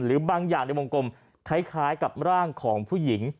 หรือบางอย่างในวงกลมคล้ายกับร่างของผู้หญิง